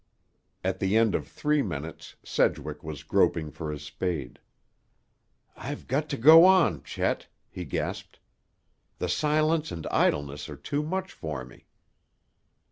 At the end of three minutes, Sedgwick was groping for his spade. "I've got to go on, Chet," he gasped. "The silence and idleness are too much for me."